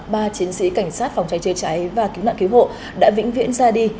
ba chiến sĩ cảnh sát phòng cháy chữa cháy và ký mạng cứu hộ đã vĩnh viễn ra đi